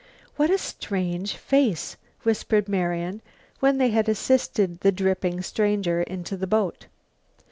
"What a strange face!" whispered Marian, when they had assisted the dripping stranger into the boat.